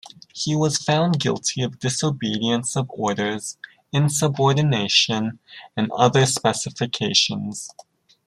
He was found guilty of disobedience of orders, insubordination, and other specifications.